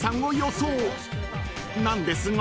［なんですが］